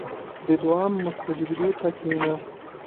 • د دعا مستجابېدو ته کښېنه.